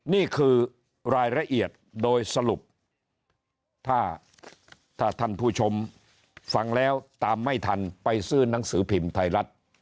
นี่คือรายละเอียดโดยสรุปถ้าท่านผู้ชมฟังแล้วตามไม่ทันไปซื้อหนังสือพิมพ์ไทยรัฐ